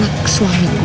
aku kasih nephew